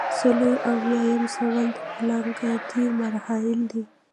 څلور اویایم سوال د پلانګذارۍ مراحل دي.